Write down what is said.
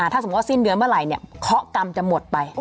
ถ้าสมมุติสิ้นเดือนเมื่อไหร่เคาะกรรมจะหมดไป